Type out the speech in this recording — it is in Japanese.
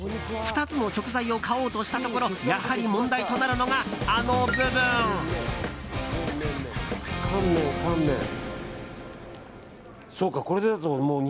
２つの食材を買おうとしたところやはり問題となるのが乾麺、乾麺。